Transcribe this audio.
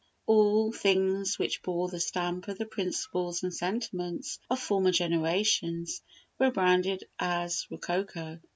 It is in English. All things which bore the stamp of the principles and sentiments of former generations were branded as rococo.